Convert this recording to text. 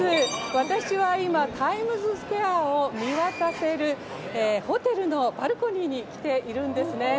私は今タイムズスクエアを見渡せるホテルのバルコニーに来ているんですね。